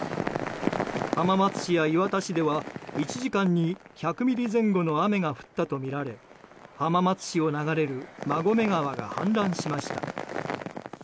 浜松市や磐田市では１時間に１００ミリ前後の雨が降ったとみられ浜松市を流れる馬込川が氾濫しました。